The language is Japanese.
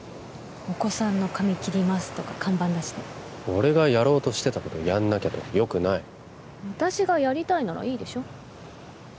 「お子さんの髪切ります」とか看板出して俺がやろうとしてたことやんなきゃとかよくない私がやりたいならいいでしょ？